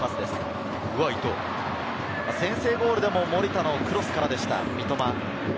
先制ゴールでも守田のクロスからでした、三笘。